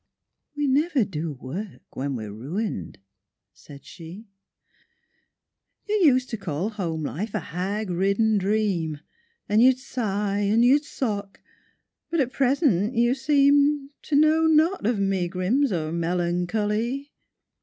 — "We never do work when we're ruined," said she. —"You used to call home life a hag ridden dream, And you'd sigh, and you'd sock; but at present you seem To know not of megrims or melancho ly!"